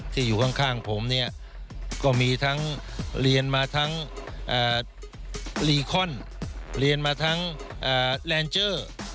อยู่ข้างผมเนี่ยก็มีทั้งเรียนมาทั้งลีคอนเรียนมาทั้งแลนเจอร์